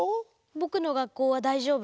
ぼくのがっこうはだいじょうぶ。